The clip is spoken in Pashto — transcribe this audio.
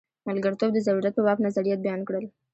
ملګرتوب د ضرورت په باب نظریات بیان کړل.